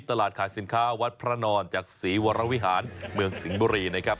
ตลาดขายสินค้าวัดพระนอนจากศรีวรวิหารเมืองสิงห์บุรีนะครับ